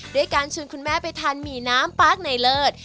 ด้วยการชวนคุณแม่ไปทานหมี่น้ำปาร์คในเลิศ